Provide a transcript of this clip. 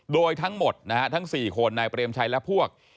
โดยทั้งหมดนะฮะทั้ง๔คนนายเปรมชัยและพวก